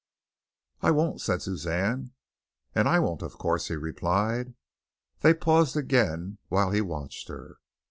"I won't," said Suzanne. "And I won't, of course," he replied. They paused again while he watched her.